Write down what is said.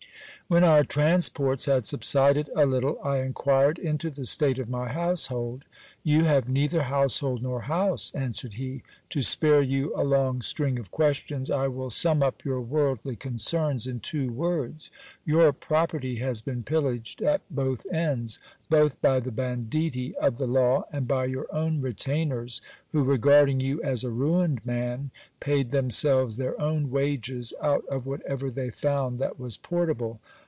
When our transports had subsided a little, I inquired into the state of my household. You have neither household nor house, answered he : to spare you a long string of questions, I will sum up your worldly concerns in two words. Your property has been pillaged at both ends, both by the banditti of the law and by your own retainers, who, regarding you as a ruined man, paid them selves their own wages out of whatever they found that was portable.